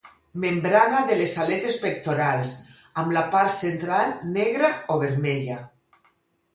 Membrana de les aletes pectorals amb la part central negra o vermella.